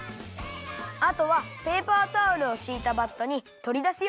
あとはペーパータオルをしいたバットにとりだすよ。